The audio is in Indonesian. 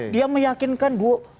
dia meyakinkan dua ratus lima puluh juta